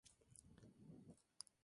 Cuenta con todo tipo de servicios.